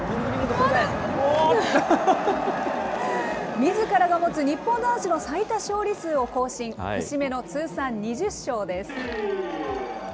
みずからが持つ日本男子の最多勝利数を更新、節目の通算２０勝です。